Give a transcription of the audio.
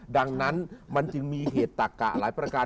ดังนั้นมันจึงมีเหตุตักกะหลายประการ